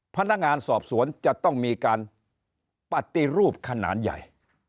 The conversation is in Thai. พนักงานสอบสวนจะต้องมีการปฏิรูปขนาดใหญ่